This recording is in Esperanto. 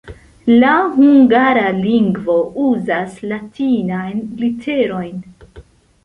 La hungara lingvo uzas latinajn literojn.